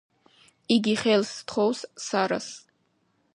იგი ხელს სთხოვს სარას.